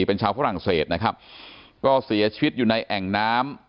เป็นชาวฝรั่งเศสนะครับก็เสียชีวิตอยู่ในแอ่งน้ำ